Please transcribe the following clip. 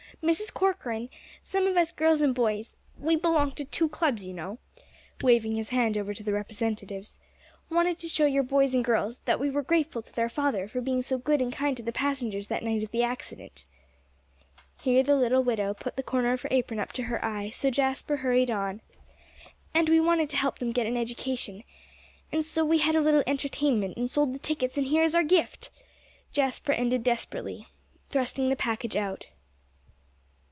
"Mrs. Corcoran, some of us girls and boys we belong to two clubs, you know," waving his hand over to the representatives "wanted to show your boys and girls, that we were grateful to their father for being so good and kind to the passengers that night of the accident." Here the little widow put the corner of her apron up to her eye, so Jasper hurried on: "And we wanted to help them to get an education. And so we had a little entertainment, and sold the tickets and here is our gift!" Jasper ended desperately, thrusting the package out.